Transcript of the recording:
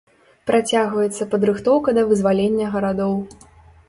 Працягваецца падрыхтоўка да вызвалення гарадоў.